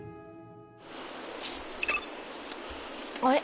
あれ？